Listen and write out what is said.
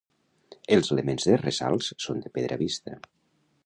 Els elements de ressalts són de pedra vista.